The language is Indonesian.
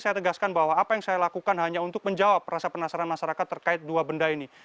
saya tegaskan bahwa apa yang saya lakukan hanya untuk menjawab rasa penasaran masyarakat terkait dua benda ini